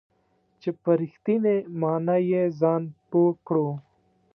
چې په رښتینې معنا یې ځان پوه کړو .